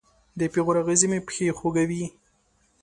د پیغور اغزې مې پښې خوږوي